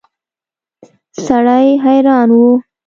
سړی حیران و.